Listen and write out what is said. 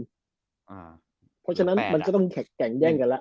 เพราะฉะนั้นมันก็ต้องแก่งแย่งกันแล้ว